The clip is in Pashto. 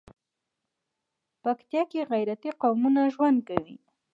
پکتيا کې غيرتي قومونه ژوند کوي.